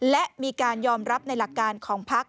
และมีการยอมรับในหลักการของพัก